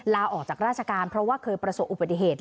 ลาออกจากราชการเพราะว่าเคยประสบอุบัติเหตุ